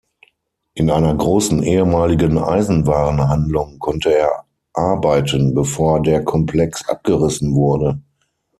In einer großen ehemaligen Eisenwarenhandlung konnte er arbeiten, bevor der Komplex abgerissen wurde.